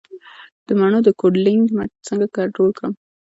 د مڼو د کوډلینګ مټ څنګه کنټرول کړم؟